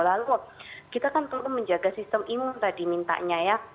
lalu kita kan perlu menjaga sistem imun tadi mintanya ya